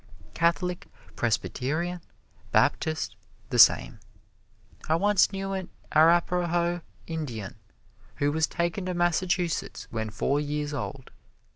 Catholic, Presbyterian, Baptist, the same. I once knew an Arapahoe Indian who was taken to Massachusetts when four years old.